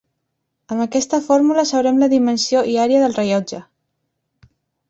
Amb aquesta fórmula sabrem la dimensió i àrea del rellotge.